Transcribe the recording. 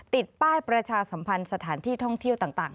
ติดป้ายประชาสัมพันธ์สถานที่ท่องเที่ยวต่าง